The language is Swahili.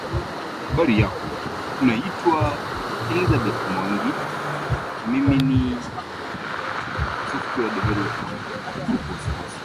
Hutokea hasa miongoni mwa ndama wa pili kuzaliwa